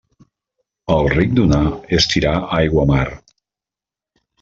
Al ric donar és tirar aigua a mar.